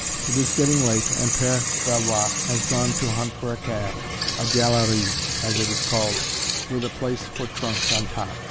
It is getting late and Père Valois has gone to hunt for a cab a "galerie," as it is called, with a place for trunks on top.